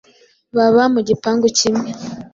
baba mu gipangu kimwe